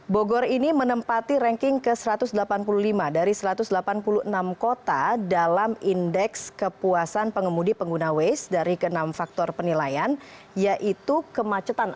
bogor ini menempati ranking ke satu ratus delapan puluh lima dari satu ratus delapan puluh enam kota dalam indeks kepuasan pengemudi pengguna waste dari ke enam faktor penilaian yaitu kemacetan